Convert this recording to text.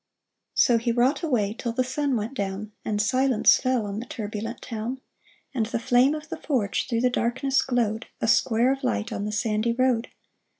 " So he wrought away till the sun went down, And silence fell on the turbulent town ; And the flame of the forge through the darkness glowed, A square of light on the sandy road.